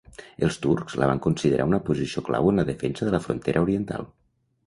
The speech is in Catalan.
Els turcs la van considerar una posició clau en la defensa de la frontera oriental.